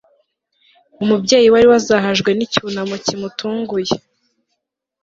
umubyeyi wari wazahajwe n'icyunamo kimutunguye